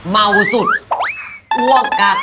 เมาสุดอ้วกกัน